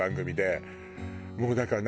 もうだから何？